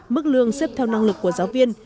mức lương xếp theo năng lực của giáo viên